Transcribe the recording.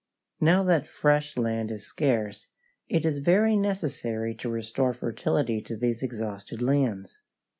Now that fresh land is scarce it is very necessary to restore fertility to these exhausted lands.